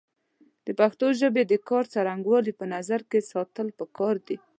د پښتو ژبې د کار څرنګوالی په نظر کې ساتل پکار دی